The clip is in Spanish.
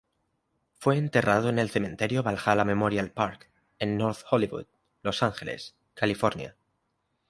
Fue enterrado en el Cementerio Valhalla Memorial Park, en North Hollywood, Los Ángeles, California.